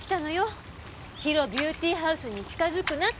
ＨＩＲＯビューティーハウスに近づくなって。